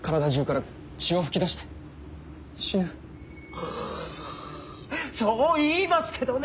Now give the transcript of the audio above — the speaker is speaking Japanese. はあそう言いますけどね